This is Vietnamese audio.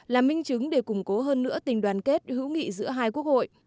là minh chứng để củng cố hơn nữa tình đoàn kết hữu nghị giữa hai quốc hội